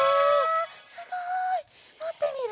すごい！もってみる？